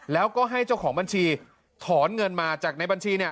แล้วก็ให้เจ้าของบัญชีถอนเงินมาจากในบัญชีเนี่ย